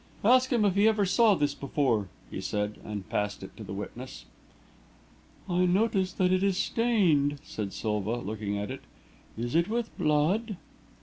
"Ask him if he ever saw this before," he said, and passed it to the witness. "I notice that it is stained," said Silva, looking at it. "Is it with blood?"